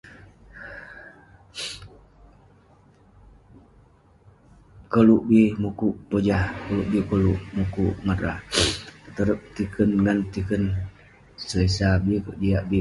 koluk bi mukuk pojah, koluk bi peh ulouk mukuk ngan rah. [unintelligible] petiken, selesa bi kek, jiak bi.